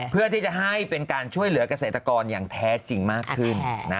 เพื่อที่จะให้เป็นการช่วยเหลือกเกษตรกรอย่างแท้จริงมากขึ้น